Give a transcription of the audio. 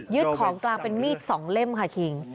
ของกลางเป็นมีด๒เล่มค่ะคิง